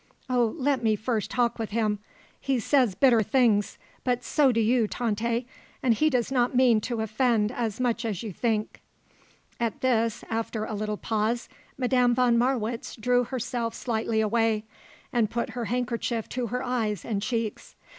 Oh, let me first talk with him! He says bitter things, but so do you, Tante; and he does not mean to offend as much as you think." At this, after a little pause, Madame von Marwitz drew herself slightly away and put her handkerchief to her eyes and cheeks.